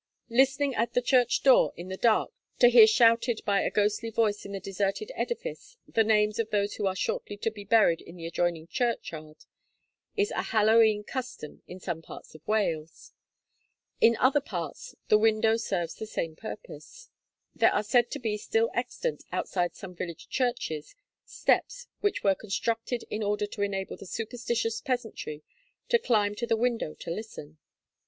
Listening at the church door in the dark, to hear shouted by a ghostly voice in the deserted edifice the names of those who are shortly to be buried in the adjoining churchyard, is a Hallow E'en custom in some parts of Wales. In other parts, the window serves the same purpose. There are said to be still extant, outside some village churches, steps which were constructed in order to enable the superstitious peasantry to climb to the window to listen.